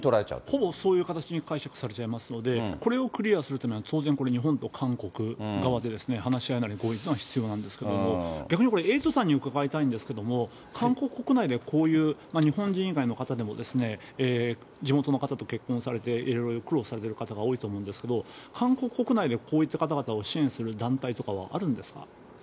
ほぼそういう形に解釈されちゃいますので、これをクリアするというのは当然、これ、日本と韓国側で、話し合いなり合意というのが必要なんですけれども、逆にこれ、エイトさんに伺いたいんですけど、韓国国内でこういう、日本人以外の方でも、地元の方と結婚されて、いろいろ苦労されてる方が多いと思うんですけれども、韓国国内でこういった方々を支援する団体とかはあるんですか。